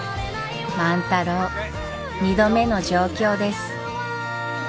万太郎２度目の上京です。